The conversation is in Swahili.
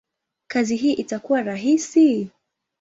kazi hii itakuwa rahisi?